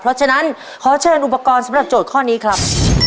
เพราะฉะนั้นขอเชิญอุปกรณ์สำหรับโจทย์ข้อนี้ครับ